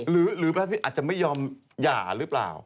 หรือพระพี่อาจจะไม่ยอมหย่าหรือเปล่า